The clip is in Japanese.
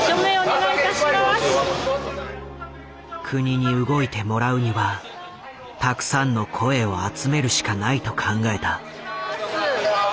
国に動いてもらうにはたくさんの声を集めるしかないと考えた。